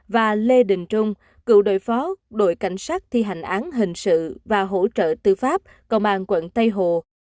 và lê đình trung cựu đội phó đội cảnh sát thi hành án hình sự và hỗ trợ tư pháp công an quận tây hồ